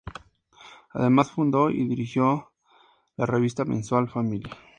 Además fundó y dirigió la revista mensual "Familia".